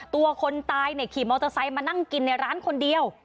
ตัวคนตายขี่มอเตอร์ไซค์มานั่งกินในร้านคนเดียว